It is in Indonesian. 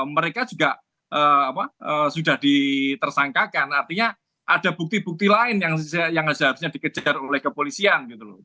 mereka juga sudah ditersangkakan artinya ada bukti bukti lain yang seharusnya dikejar oleh kepolisian gitu loh